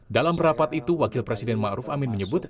dalam rapat itu wakil presiden ma'ruf amin menyebut